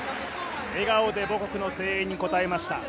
笑顔で母国の声援に応えました。